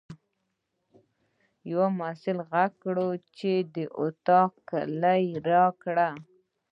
یوه محصل غږ کړ چې د اطاق کیلۍ راکړه.